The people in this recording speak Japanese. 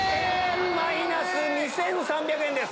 マイナス２３００円です。